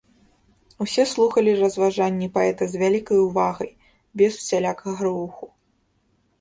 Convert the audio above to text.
Усе слухалі разважанні паэта з вялікай увагай, без усялякага руху.